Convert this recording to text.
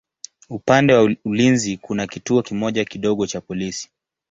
Upande wa ulinzi kuna kituo kimoja kidogo cha polisi.